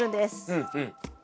うんうん。